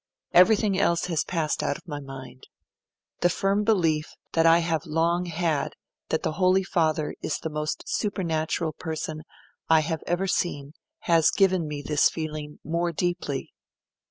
Everything else has passed out of my mind. The firm belief that I have long had that the Holy Father is the most supernatural person I have ever seen has given me this feeling more deeply.